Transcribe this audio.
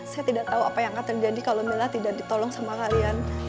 saya tidak tahu apa yang akan terjadi kalau mila tidak ditolong sama kalian